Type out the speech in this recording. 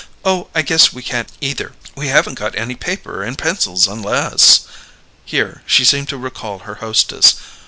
"Oh, I guess we can't either. We haven't got any paper and pencils unless " Here she seemed to recall her hostess.